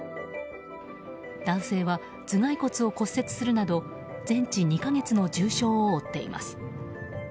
男性は頭蓋骨を骨折するなど全治２か月の重傷を負っています。